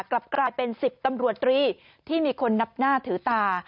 กลับกลายเป็น๑๐ตำรวจตรีที่มีคนนับหน้าถือตา